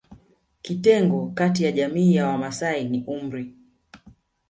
Kitengo kati ya jamii ya Wamasai ni umri